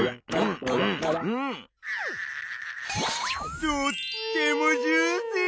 とってもジューシー！